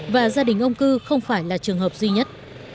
và gia đình ông cư không phải là trường hợp duy nhất